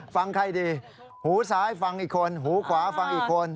ฟังใครดีหูซ้ายฟังอีกคนหูขวาฟังอีกคน